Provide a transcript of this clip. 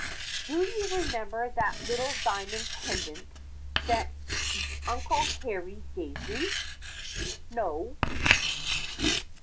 "Do you remember that little diamond pendant that Uncle Harry gave me?" "No."